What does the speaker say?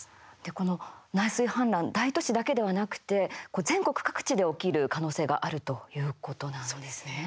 この内水氾濫大都市だけではなくて全国各地で起きる可能性があるということなんですね。